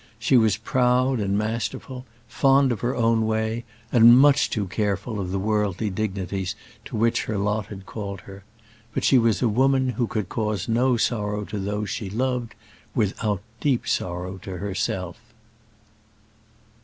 She was proud and masterful, fond of her own way, and much too careful of the worldly dignities to which her lot had called her: but she was a woman who could cause no sorrow to those she loved without deep sorrow to herself.